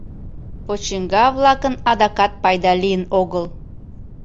Почиҥга-влакын адакат пайда лийын огыл.